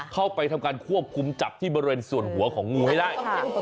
เข้าไปทำการควบคุมจับที่บริเวณส่วนหัวของงูให้ได้